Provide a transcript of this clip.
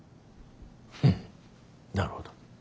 フフッなるほど。